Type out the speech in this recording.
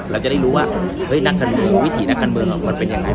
เราจะได้รู้ว่าวิธีนักการเมืองมันเป็นอย่างไง